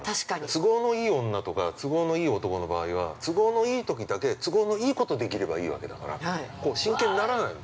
◆都合のいい女とか都合のいい男の場合は都合のいいときだけ都合のいいことできればいいわけだから真剣にならないの。